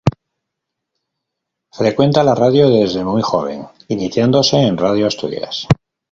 Frecuenta la radio desde muy joven, iniciándose en Radio Asturias.